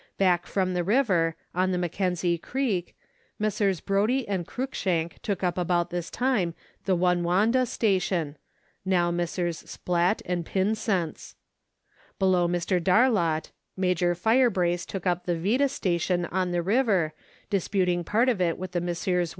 Back from the river, on the McKenzie Creek, Messrs. Brodie and Cruikshank took up about this time the Won wondah Station, now Messrs. Splatt and Pynsent's. Below Mr. Darlot, Major Firebrace took up the Vectis Station on the river, disputing part of it with the Messrs.